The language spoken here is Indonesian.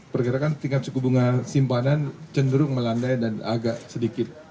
pergerakan tingkat suku bunga simpanan cenderung melandai dan agak sedikit